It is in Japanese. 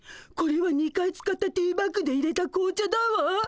これは２回使ったティーバッグでいれた紅茶だわ。